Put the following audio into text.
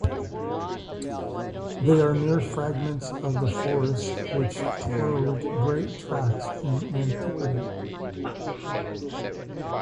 They are mere fragments of the forests which clothed great tracts in antiquity.